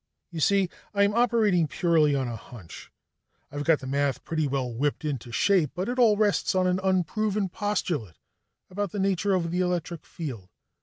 "You see, I'm operating purely on a hunch. I've got the math pretty well whipped into shape, but it all rests on an unproven postulate about the nature of the electric field.